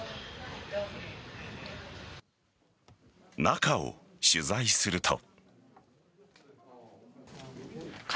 中を取材すると。